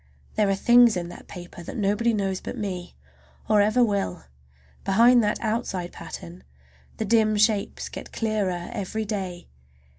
There are things in that paper that nobody knows but me, or ever will. Behind that outside pattern the dim shapes get clearer every day.